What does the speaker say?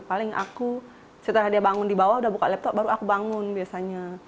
paling aku setelah dia bangun di bawah udah buka laptop baru aku bangun biasanya